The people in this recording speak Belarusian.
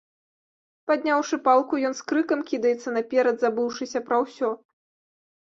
Падняўшы палку, ён з крыкам кідаецца наперад, забыўшыся пра ўсё.